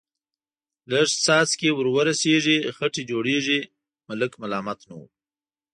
لږ څاڅکي ور ورسېږي، خټې جوړېږي، ملک ملامت نه و.